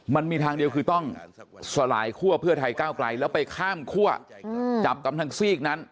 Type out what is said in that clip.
มันมีทางเดียวคือต้องสลายคั่วเพื่อไทยก้าวไกลแล้วไปข้ามคั่วจับกำทางซีกนั้น